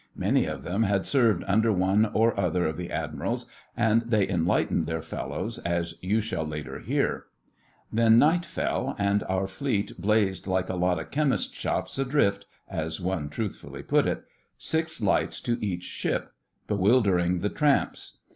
Many of them had served under one or other of the Admirals, and they enlightened their fellows, as you shall later hear. Then night fell, and Our Fleet blazed 'like a lot of chemists' shops adrift,' as one truthfully put it—six lights to each ship; bewildering the tramps.